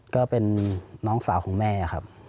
ก็เป็นน้องสาวของแม่ครับ